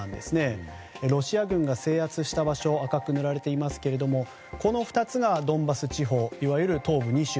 ロシア軍が制圧した場所赤く塗られていますがこの２つが、ドンバス地方いわゆる東部２州。